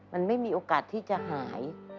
มันไม่มีโอกาสที่จะหาย